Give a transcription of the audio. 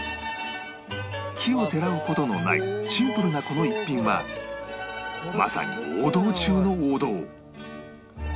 奇をてらう事のないシンプルなこの一品はまさに王道中の王道